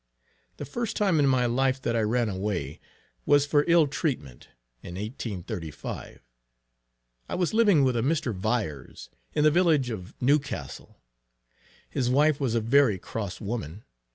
The first time in my life that I ran away, was for ill treatment, in 1835. I was living with a Mr. Vires, in the village of Newcastle. His wife was a very cross woman.